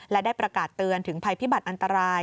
และได้ประกาศเตือนถึงภัยพิบัติอันตราย